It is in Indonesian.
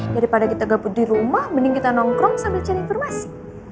daripada kita gabut di rumah mending kita nongkrong sambil cari informasi